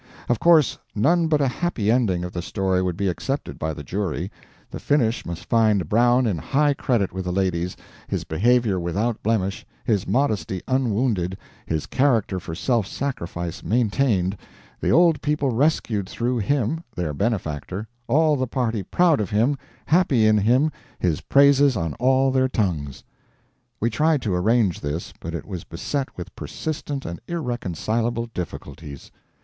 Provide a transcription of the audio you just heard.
Of course none but a happy ending of the story would be accepted by the jury; the finish must find Brown in high credit with the ladies, his behavior without blemish, his modesty unwounded, his character for self sacrifice maintained, the Old People rescued through him, their benefactor, all the party proud of him, happy in him, his praises on all their tongues. We tried to arrange this, but it was beset with persistent and irreconcilable difficulties.